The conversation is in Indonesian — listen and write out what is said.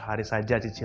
begitu banget poin ini